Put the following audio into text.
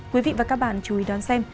quý vị và các bạn chú ý đón xem